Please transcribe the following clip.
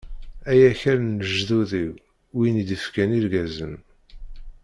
Ay akal n lejdud-iw, win i d-ifkan irgazen.